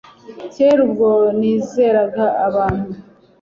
kera ubwo nizeraga abantu